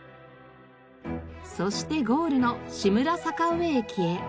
そしてゴールの志村坂上駅へ。